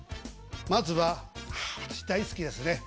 まずはあ私大好きですね。